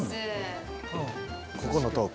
ここのトーク。